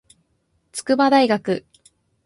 筑波大学